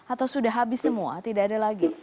atau sudah habis semua tidak ada lagi